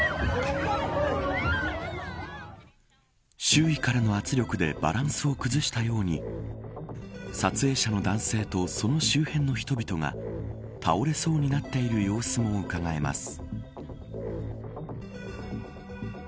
周囲からの圧力でバランスを崩したように撮影者の男性とその周辺の人々が倒れそうになっている様子もうかがえます。